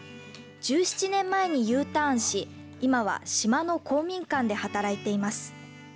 １７年前にＵターンし、今は島の公民館で働いています。